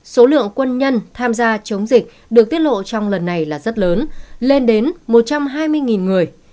số lượng quân nhân tham gia chống dịch được tiết lộ trong lần này là rất lớn lên đến một trăm hai mươi người